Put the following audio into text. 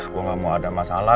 gue gak mau ada masalah